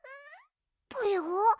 ぽよ？